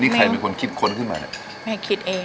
นี่ใครเป็นคนคิดค้นขึ้นมาเนี่ยแม่คิดเอง